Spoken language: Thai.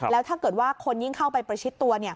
แล้วถ้าเกิดว่าคนยิ่งเข้าไปประชิดตัว